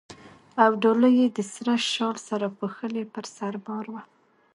او ډولۍ یې د سره شال سره پوښلې پر سر بار وه.